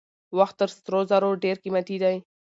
وخت تر سرو زرو ډېر قیمتي دی.